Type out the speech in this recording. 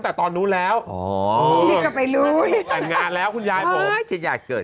กันตั้งแต่ตอนนู้นแล้วอ๋อนี่ก็ไปรู้แต่งานแล้วคุณยายผมชิดอยากเกิด